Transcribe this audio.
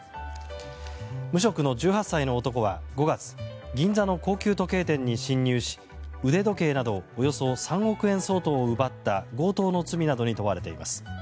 無職の１８歳の男は５月銀座の高級時計店に侵入し腕時計などおよそ３億円相当を奪った強盗の罪などに問われています。